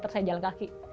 saya jalan kaki